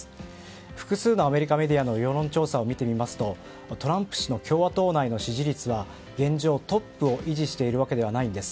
複数のアメリカメディアの世論調査を見ますとトランプ氏の共和党内の支持率は現状トップを維持しているわけではないんです。